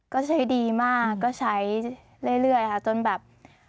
ก็ใช้ดีมากก็ใช้เรื่อยค่ะจนแบบ